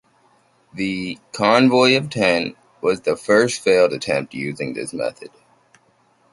The "Convoy of Ten" was the first failed attempt using this method.